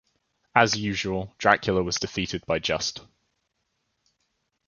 As usual, Dracula was defeated by Juste.